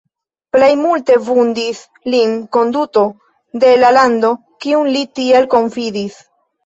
Plej multe vundis lin konduto de la lando, kiun li tiel konfidis.